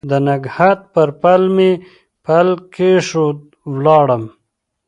د نګهت پر پل مې پل کښېښوی ولاړم